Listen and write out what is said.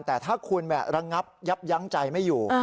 แต่ถ้าคุณระงับยับยั้งใจไม่อยู่